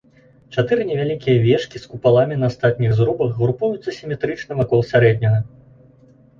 Чатыры невялікія вежкі з купаламі на астатніх зрубах групуюцца сіметрычна вакол сярэдняга.